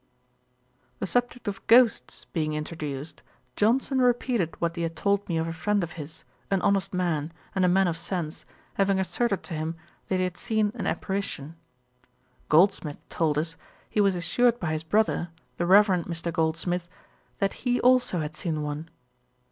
The subject of ghosts being introduced, Johnson repeated what he had told me of a friend of his, an honest man, and a man of sense, having asserted to him, that he had seen an apparition. Goldsmith told us, he was assured by his brother, the Reverend Mr. Goldsmith, that he also had seen one.